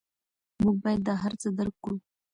موږ باید دا هر څه درک کړو.